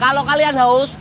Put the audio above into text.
kalau kalian haus